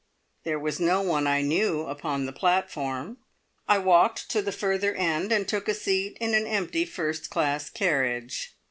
There was no one I knew upon the platform. I walked to the further end, and took a seat in an empty first class carriage.